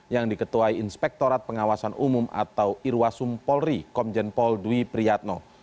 yang diketuai inspektorat pengawasan umum atau irwasum polri komjen pol dwi priyatno